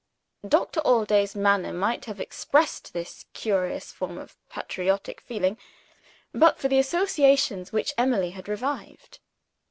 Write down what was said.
Doctor Allday's manner might have expressed this curious form of patriotic feeling, but for the associations which Emily had revived.